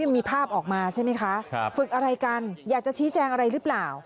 มีภาพออกมาใช่ไหมคะฝึกอะไรกันอยากจะชี้แจงอะไรหรือเปล่า